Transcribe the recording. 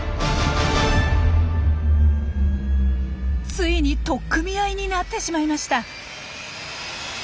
ついに取っ組み合いになってしまいました。